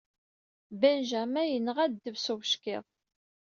Benjamin yenɣa ddeb s ubeckiḍ..